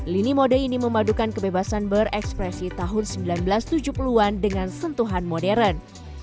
lini mode ini memadukan kebebasan berekspresi tahun seribu sembilan ratus tujuh puluh an dengan sentuhan modern